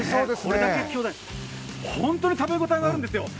本当に食べ応えがあるんですよ。